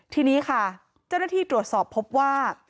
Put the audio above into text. ทีนี้ค่ะเจ้าหน้าที่ตรวจสอบพบว่า